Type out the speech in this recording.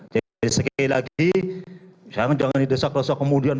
jadi sekali lagi jangan jangan di desak desak kemudian